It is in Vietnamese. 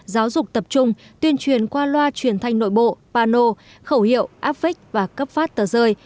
giáo dục tập trung tuyên truyền qua loa truyền thanh nội bộ pano khẩu hiệu áp vích và cấp phát tờ rơi